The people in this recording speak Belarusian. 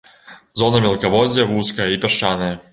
Зона мелкаводдзя вузкая і пясчаная.